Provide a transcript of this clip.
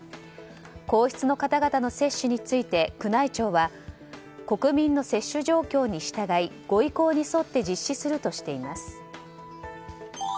皇室の方々の接種について宮内庁は国民の接種状況に従いご意向に沿って実施するとしています。